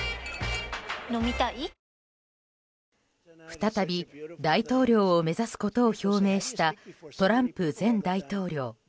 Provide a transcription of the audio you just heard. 再び大統領を目指すことを表明したトランプ前大統領。